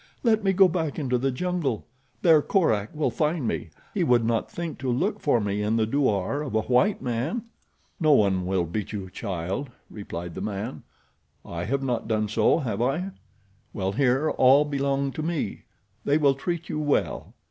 Let me go back into the jungle. There Korak will find me. He would not think to look for me in the douar of a white man." "No one will beat you, child," replied the man. "I have not done so, have I? Well, here all belong to me. They will treat you well.